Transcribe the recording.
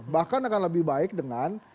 bahkan akan lebih baik dengan